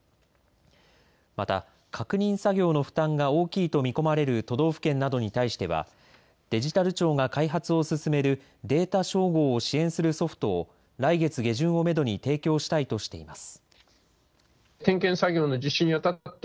また確認作業の負担が大きいと見込まれる都道府県などに対してはデジタル庁が開発を進めるデータ照合を支援するソフトを来月下旬をめどに提供したいとしています。